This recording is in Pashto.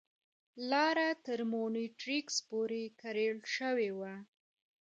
لاره تر مونیټریکس پورې کریړ شوې وه.